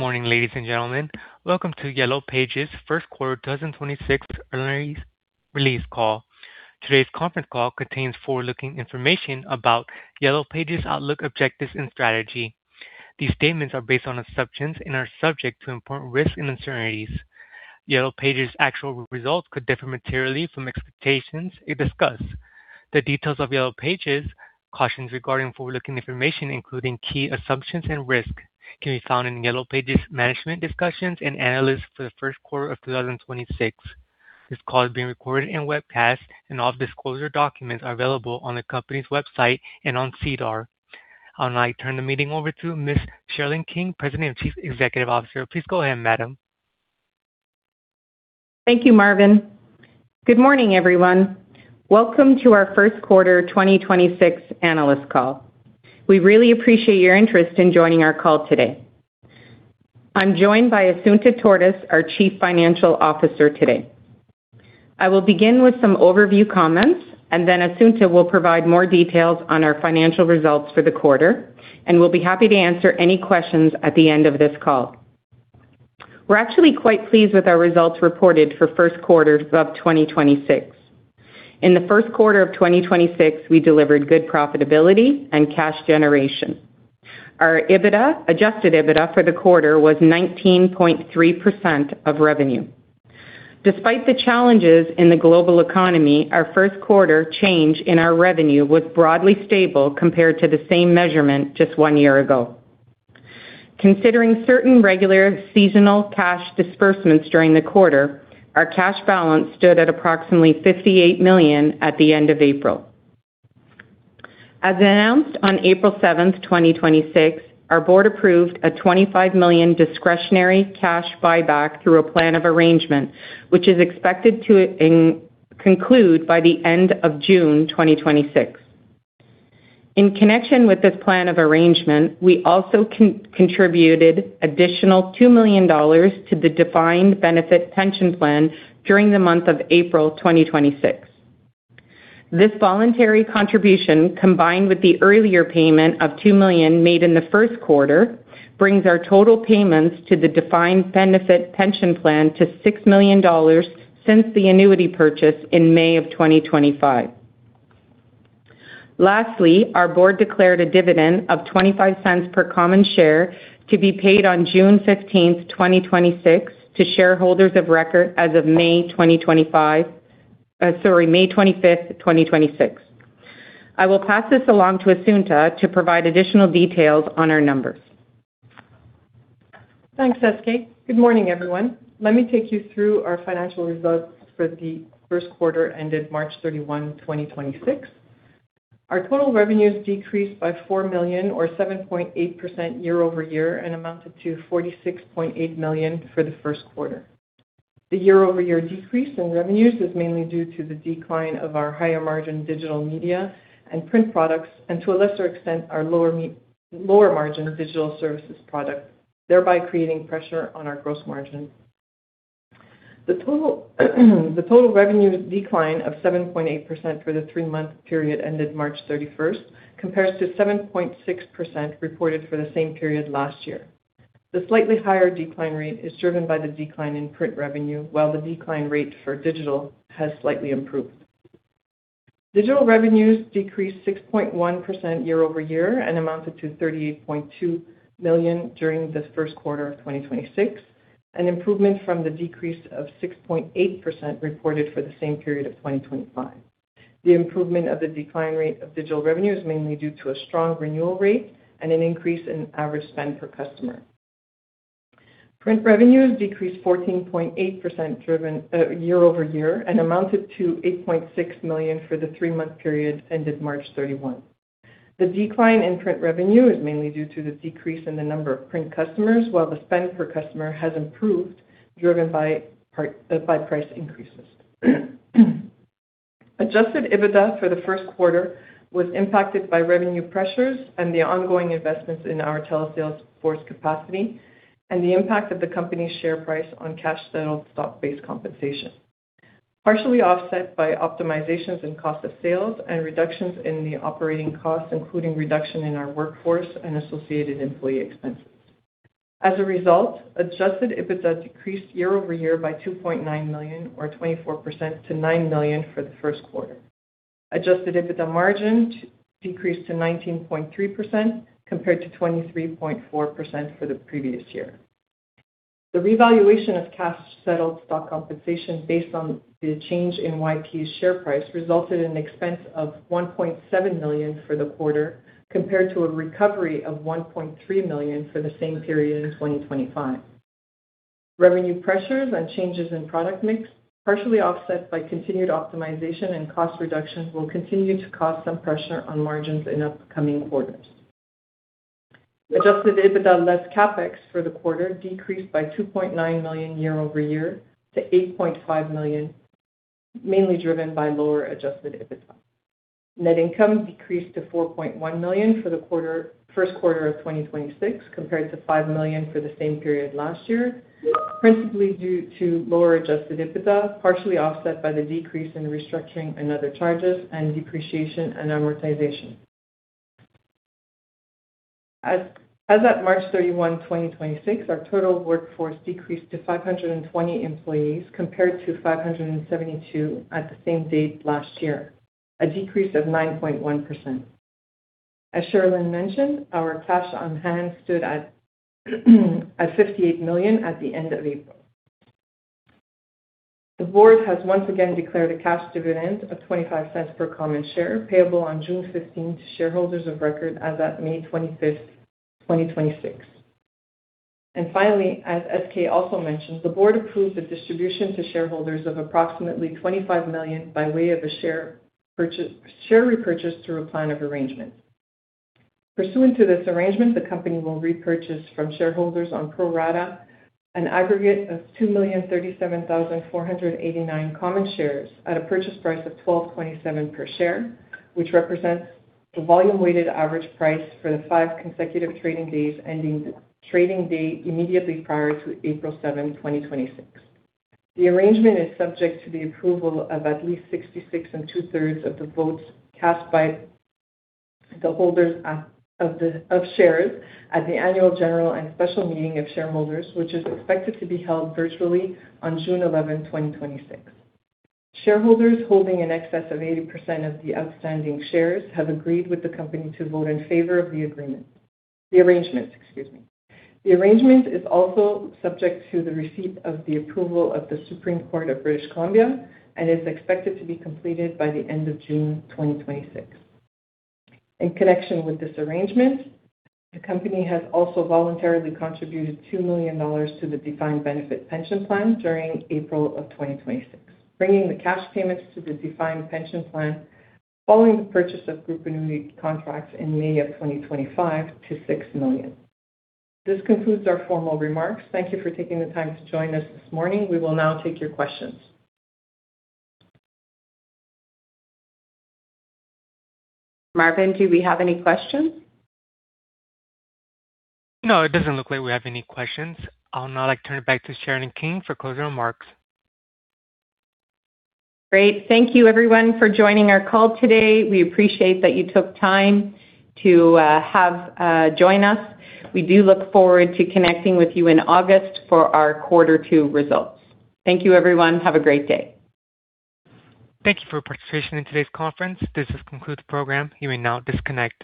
Morning, ladies and gentlemen. Welcome to Yellow Pages first quarter 2026 earnings release call. Today's conference call contains forward-looking information about Yellow Pages outlook, objectives, and strategy. These statements are based on assumptions and are subject to important risks and uncertainties. Yellow Pages actual results could differ materially from expectations it discussed. The details of Yellow Pages cautions regarding forward-looking information, including key assumptions and risks, can be found in Yellow Pages management discussions and analysis for the first quarter of 2026. This call is being recorded and webcast, and all disclosure documents are available on the company's website and on SEDAR. I'll now turn the meeting over to Ms. Sherilyn King, President and Chief Executive Officer. Please go ahead, madam. Thank you, Marvin. Good morning, everyone. Welcome to our first quarter 2026 analyst call. We really appreciate your interest in joining our call today. I'm joined by Assunta Tortis, our Chief Financial Officer, today. I will begin with some overview comments, and then Assunta will provide more details on our financial results for the quarter, and we'll be happy to answer any questions at the end of this call. We're actually quite pleased with our results reported for first quarter of 2026. In the first quarter of 2026, we delivered good profitability and cash generation. Our adjusted EBITDA for the quarter was 19.3% of revenue. Despite the challenges in the global economy, our first quarter change in our revenue was broadly stable compared to the same measurement just one year ago. Considering certain regular seasonal cash disbursements during the quarter, our cash balance stood at approximately 58 million at the end of April. As announced on April 7th, 2026, our board approved a 25 million discretionary cash buyback through a plan of arrangement, which is expected to conclude by the end of June 2026. In connection with this plan of arrangement, we also contributed additional 2 million dollars to the defined benefit pension plan during the month of April 2026. This voluntary contribution, combined with the earlier payment of 2 million made in the first quarter, brings our total payments to the defined benefit pension plan to 6 million dollars since the annuity purchase in May 2025. Lastly, our board declared a dividend of 0.25 per common share to be paid on June 15th, 2026, to shareholders of record as of May 25th, 2026. I will pass this along to Assunta to provide additional details on our numbers. Thanks, SK. Good morning, everyone. Let me take you through our financial results for the first quarter ended March 31, 2026. Our total revenues decreased by 4 million or 7.8% year-over-year and amounted to 46.8 million for the first quarter. The year-over-year decrease in revenues is mainly due to the decline of our higher margin digital media and print products and to a lesser extent, our lower margin digital services product, thereby creating pressure on our gross margin. The total revenue decline of 7.8% for the three-month period ended March 31st compares to 7.6% reported for the same period last year. The slightly higher decline rate is driven by the decline in print revenue, while the decline rate for digital has slightly improved. Digital revenues decreased 6.1% year-over-year and amounted to 38.2 million during this first quarter of 2026, an improvement from the decrease of 6.8% reported for the same period of 2025. The improvement of the decline rate of digital revenue is mainly due to a strong renewal rate and an increase in average spend per customer. Print revenues decreased 14.8% driven year-over-year and amounted to 8.6 million for the three-month period ended March 31. The decline in print revenue is mainly due to the decrease in the number of print customers while the spend per customer has improved, driven by price increases. Adjusted EBITDA for the first quarter was impacted by revenue pressures and the ongoing investments in our telesales force capacity and the impact of the company's share price on cash-settled stock compensation, partially offset by optimizations in cost of sales and reductions in the operating costs, including reduction in our workforce and associated employee expenses. As a result, adjusted EBITDA decreased year-over-year by 2.9 million or 24% to 9 million for the first quarter. Adjusted EBITDA margin decreased to 19.3% compared to 23.4% for the previous year. The revaluation of cash-settled stock compensation based on the change in YP's share price resulted in an expense of 1.7 million for the quarter compared to a recovery of 1.3 million for the same period in 2025. Revenue pressures and changes in product mix, partially offset by continued optimization and cost reductions will continue to cause some pressure on margins in upcoming quarters. Adjusted EBITDA less CapEx for the quarter decreased by 2.9 million year-over-year to 8.5 million, mainly driven by lower adjusted EBITDA. Net income decreased to 4.1 million for the first quarter of 2026 compared to 5 million for the same period last year, principally due to lower adjusted EBITDA, partially offset by the decrease in restructuring and other charges and depreciation and amortization. As at March 31, 2026, our total workforce decreased to 520 employees compared to 572 at the same date last year, a decrease of 9.1%. As Sherilyn mentioned, our cash on hand stood at 58 million at the end of April. The board has once again declared a cash dividend of 0.25 per common share payable on June 15th to shareholders of record as at May 25th, 2026. Finally, as SK also mentioned, the board approved the distribution to shareholders of approximately 25 million by way of a share repurchase through a plan of arrangement. Pursuant to this arrangement, the company will repurchase from shareholders on pro rata an aggregate of 2,037,489 common shares at a purchase price of 12.27 per share, which represents the volume weighted average price for the five consecutive trading days ending the trading day immediately prior to April 7th, 2026. The arrangement is subject to the approval of at least 66 and two-thirds of the votes cast by the holders of shares at the annual general and special meeting of shareholders, which is expected to be held virtually on June 11, 2026. Shareholders holding in excess of 80% of the outstanding shares have agreed with the company to vote in favor of the agreement. The arrangement is also subject to the receipt of the approval of the Supreme Court of British Columbia and is expected to be completed by the end of June 2026. In connection with this arrangement, the company has also voluntarily contributed 2 million dollars to the defined benefit pension plan during April of 2026, bringing the cash payments to the defined pension plan following the purchase of group annuity contracts in May of 2025 to 6 million. This concludes our formal remarks. Thank you for taking the time to join us this morning. We will now take your questions. Marvin, do we have any questions? No, it doesn't look like we have any questions. I'll now, like, turn it back to Sherilyn King for closing remarks. Great. Thank you everyone for joining our call today. We appreciate that you took time to have join us. We do look forward to connecting with you in August for our quarter two results. Thank you everyone. Have a great day. Thank you for participation in today's conference. This has concluded the program. You may now disconnect.